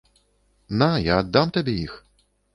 На, я аддам табе іх.